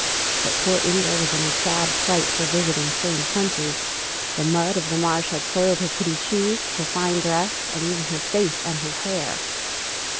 But poor Inger was in a sad plight foi visiting strange countries. The mud of the marsh had soiled her pretty shoes, her fine dress, and even her face and her hair.